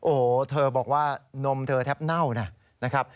โอ้โหเธอบอกว่านมเธอแทบเน่านะครับ